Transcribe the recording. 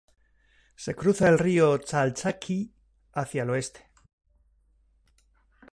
Se cruza el Río Calchaquí hacia el oeste.